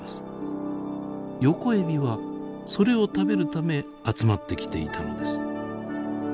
ヨコエビはそれを食べるため集まってきていたのです。